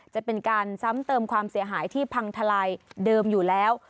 จะเป็นการซ้ำเติมความเสียหายที่พังทลายเดิมอยู่แล้ว